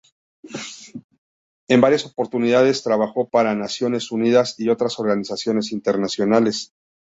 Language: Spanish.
En varias oportunidades trabajó para Naciones Unidas y otras organizaciones internacionales.